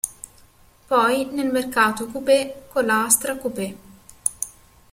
Poi nel mercato coupé con la Astra Coupé.